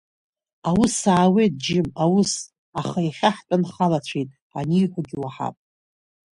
Аус аауеит, џьым, аус, аха иахьа ҳтәанхалацәеит, аниҳәогьы уаҳап.